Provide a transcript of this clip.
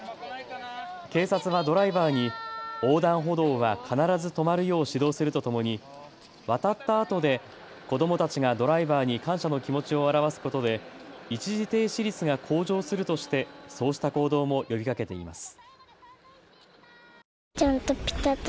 警察はドライバーに横断歩道は必ず止まるよう指導するとともに渡ったあとで子どもたちがドライバーに感謝の気持ちを表すことで一時停止率が向上するとしてそうした行動も呼びかけています。